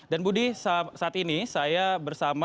dan budi saat ini saya bersama